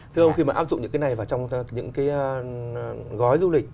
thưa ông khi mà áp dụng những cái này vào trong những cái gói du lịch